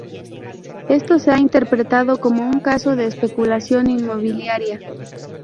Esto se ha interpretado como un caso de especulación inmobiliaria.